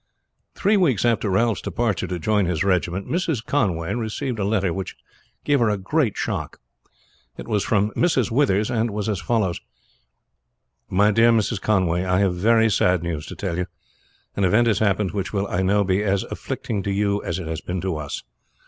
Three weeks after Ralph's departure to join his regiment Mrs. Conway received a letter which gave her a great shook. It was from Mrs. Withers, and was as follows: "MY DEAR MRS. CONWAY: I have very sad news to tell you. An event has happened which will, I know, be as afflicting to you as it has been to us.